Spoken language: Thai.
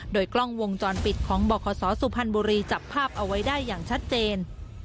โดยกล้องวงจรปิดของบขสุพรรณบุรีจับภาพเอาไว้ได้อย่างชัดเจน